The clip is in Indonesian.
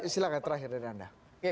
silahkan terakhir dari anda